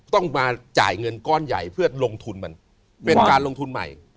ต้องมาจ่ายเงินก้อนใหญ่เพื่อลงทุนมันเป็นการลงทุนใหม่